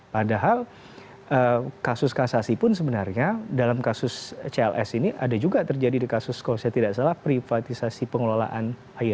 padahal kasus kasasi pun sebenarnya dalam kasus cls ini ada juga terjadi di kasus kalau saya tidak salah privatisasi pengelolaan air